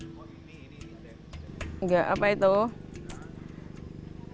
mereka bahkan menjajakan jamu buatannya hingga puluhan kilometer keluar dusun